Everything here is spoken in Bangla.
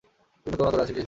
বিঘ্ন তোমার অন্তরে আছে কি।